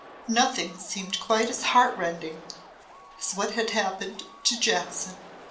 Nothing seemed quite as heart rending as what had happened to Jackson.